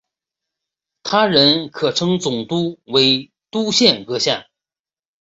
他人可称总督为督宪阁下。